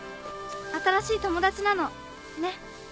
新しい友達なのねっ。